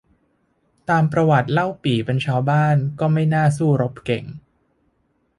ตามประวัติเล่าปี่เป็นชาวบ้าน ก็ไม่น่าสู้รบเก่ง